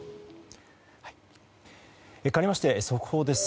かわりまして速報です。